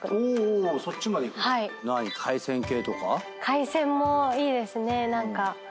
海鮮もいいですね何か。